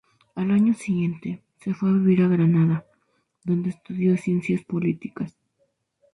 Al año siguiente, se fue a vivir a Granada, dónde estudio Ciencias Políticas.